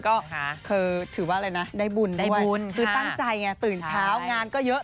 ก็คือถือว่าอะไรนะได้บุญด้วยบุญคือตั้งใจไงตื่นเช้างานก็เยอะ